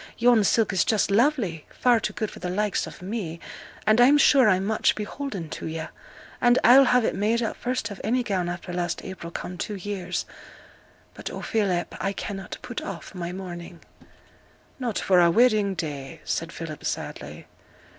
Yon silk is just lovely, far too good for the likes of me, and I'm sure I'm much beholden to yo'; and I'll have it made up first of any gown after last April come two years, but, oh, Philip, I cannot put off my mourning!' 'Not for our wedding day!' said Philip, sadly.